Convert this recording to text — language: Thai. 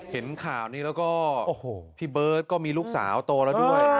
เห็นข่าวนี้แล้วก็โอ้โหพี่เบิร์ตก็มีลูกสาวโตแล้วด้วย